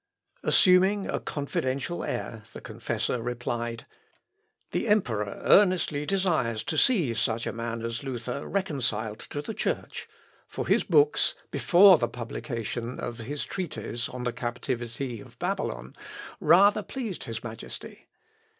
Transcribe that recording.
[Sidenote: PONTANUS AND GLAPIO.] Assuming a confidential air, the confessor replied: "The emperor earnestly desires to see such a man as Luther reconciled to the Church, for his books (before the publication of his treatise, 'On the Captivity of Babylon,') rather pleased his Majesty.